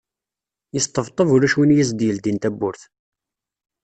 Yesṭebṭeb ulac win i as-d-yeldin tawwurt.